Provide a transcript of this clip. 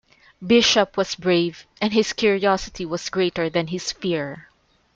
Bishop was brave and his curiosity was greater than his fear.